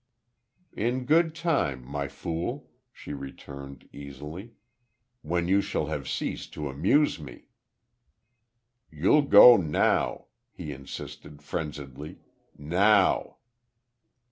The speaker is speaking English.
"In good time, My Fool," she returned, easily. "When you shall have ceased to amuse me." "You'll go now," he insisted, frenziedly. "Now!"